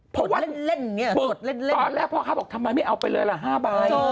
เพราะว่าตอนแรกพ่อค้าบอกทำไมเอาไปเลยละ๕ใบ